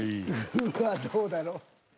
うわどうだろう。